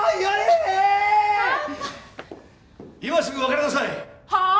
今すぐ別れなさい！はあ！？